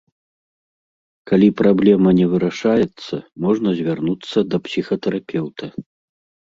Калі праблема не вырашаецца, можна звярнуцца да псіхатэрапеўта.